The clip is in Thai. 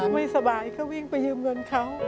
ลูกไม่สบายเขาวิ่งไปยืมเงินเขา